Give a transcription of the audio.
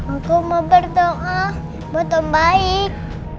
aku mau berdoa buat om baik